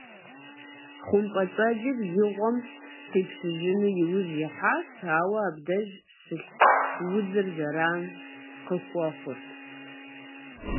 ХъумпӀэцӀэджыр и гъуэм къипщыжыну иужь ихьащ, ауэ абдеж щылъ удзыр зэран къыхуэхъурт.